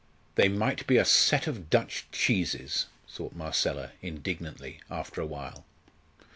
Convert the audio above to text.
"They might be a set of Dutch cheeses!" thought Marcella, indignantly, after a while.